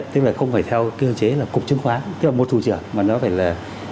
tức là không phải theo cơ chế là cục chứng khoán tức là một thủ trưởng mà nó phải là